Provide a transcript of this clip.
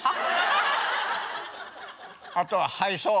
あとははいそう。